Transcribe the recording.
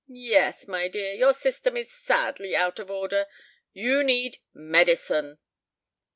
Yes, my dear, your system is sadly out of order. You need medicine."